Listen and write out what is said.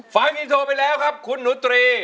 ฟังอินโทรไปแล้วครับคุณหนูตรี